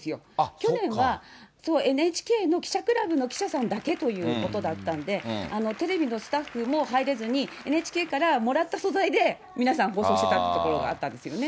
去年は、ＮＨＫの記者クラブの記者さんだけということだったんで、テレビのスタッフも入れずに、ＮＨＫからもらった素材で、皆さん、放送したところがあったんですよね。